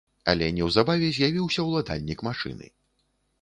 Але неўзабаве з'явіўся ўладальнік машыны.